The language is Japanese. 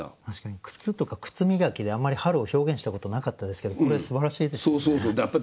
確かに靴とか靴磨きであんまり春を表現したことなかったですけどこれすばらしいですよね。